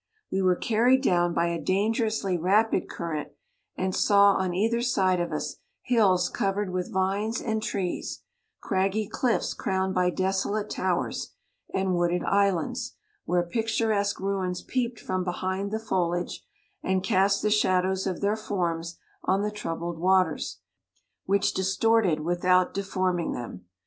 We were carried down by a dangerously 69 rapid current, and saw on either side of us hills covered with vines and trees, craggy cliffs crowned by desolate tow ers, and wooded islands, where pic turesque ruins peeped from behind the foliage, and cast the shadows of their forms on the troubled waters, which distorted without deforming them.